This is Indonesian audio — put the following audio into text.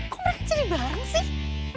kok mereka jadi bareng sih